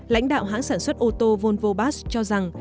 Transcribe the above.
lãnh đạo hãng sản xuất ô tô volvo passage cho rằng